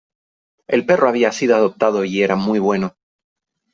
El perro había sido adoptado y era muy bueno.